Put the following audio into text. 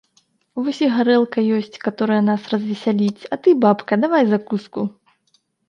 Вось і гарэлка ёсць, каторая нас развесяліць, а ты, бабка, давай закуску.